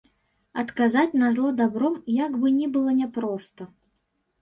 Адказаць на зло дабром, як бы ні было няпроста.